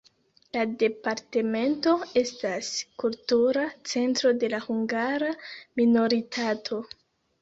La departemento estas kultura centro de la hungara minoritato.